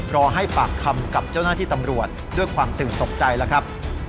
รอให้ปากคำกับเจ้าหน้าที่ตำรวจด้วยความตื่นตกใจแล้วครับ